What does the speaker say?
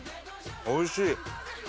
おいしい！